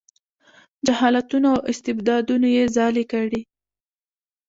جهالتونو او استبدادونو یې ځالې کړي.